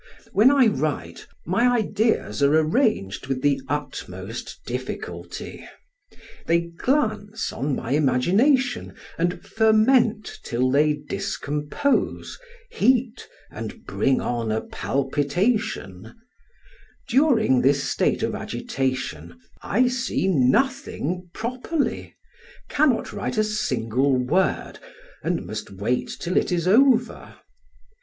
When I write, my ideas are arranged with the utmost difficulty. They glance on my imagination and ferment till they discompose, heat, and bring on a palpitation; during this state of agitation, I see nothing properly, cannot write a single word, and must wait till it is over.